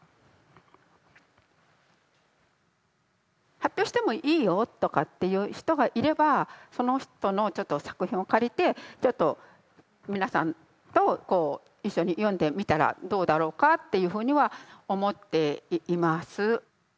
発表してもいいよとかっていう人がいればその人のちょっと作品を借りてちょっと皆さんと一緒に読んでみたらどうだろうかっていうふうには思っています。